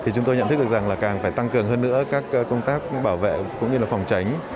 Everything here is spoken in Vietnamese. chúng tôi nhận thức rằng càng phải tăng cường hơn nữa các công tác bảo vệ cũng như phòng tránh